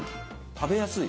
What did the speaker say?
食べやすい。